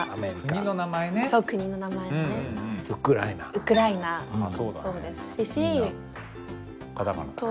ウクライナもそうですし。